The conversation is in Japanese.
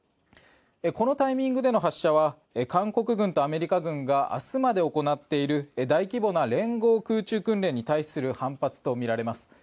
このタイミングでの発射は韓国軍とアメリカ軍が明日まで行っている大規模な連合空中訓練に対する反発とみられます。